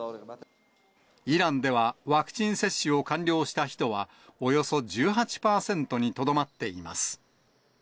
イランでは、ワクチン接種を完了した人は、およそ１８％にとどまっています。